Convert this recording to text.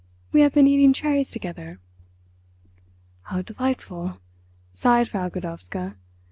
We have been eating cherries together." "How delightful," sighed Frau Godowska.